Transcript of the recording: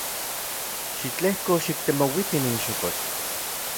Xitlejko xiktemouiti nin xokotl.